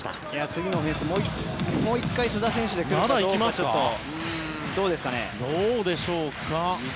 次のオフェンスもう１回須田選手で来るかどうかどうでしょうか。